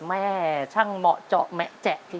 แม่ช่างเหมาะเจาะแมะแจ๊ะจริง